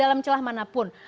dalam celah manapun